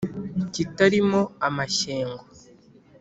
kitari mo amashyengo